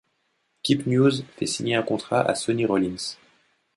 Keepnews fait signer un contrat à Sonny Rollins.